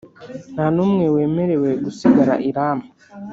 nta n umwe wemerewe gusigara i Rama.